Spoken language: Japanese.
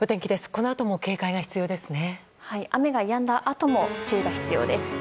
このあとも警戒が必要ですね。